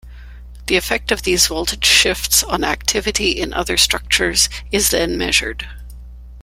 The effect of these voltage shifts on activity in other structures is then measured.